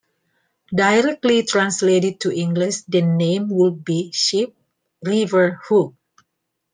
Directly translated to English, the name would be 'Sheep-river-hook'.